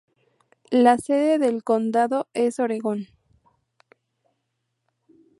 La sede del condado es Oregon.